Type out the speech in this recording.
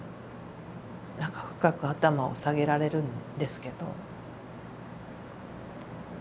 何か深く頭を下げられるんですけど。